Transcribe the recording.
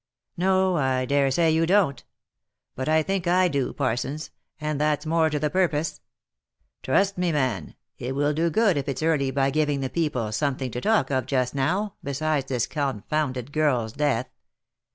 " No, I dare say you don't. But I think I do, Parsons, and that's more to the purpose. Trust me, man, it will do good if it's only by giving the people something to talk of just now, besides this confounded girl's death.